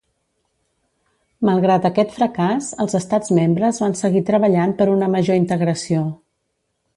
Malgrat aquest fracàs, els estats membres van seguir treballant per una major integració.